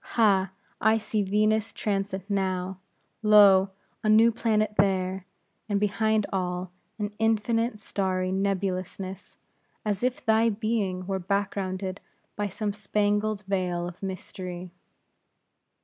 Ha! I see Venus' transit now; lo! a new planet there; and behind all, an infinite starry nebulousness, as if thy being were backgrounded by some spangled vail of mystery."